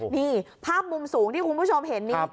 นี่ภาพมุมสูงที่คุณผู้ชมเห็นนี่